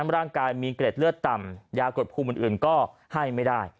ร่างกายมีเกร็ดเลือดต่ำยากดภูมิอื่นก็ให้ไม่ได้